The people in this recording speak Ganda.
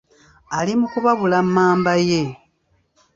Ali mu kubabula mmamba ye.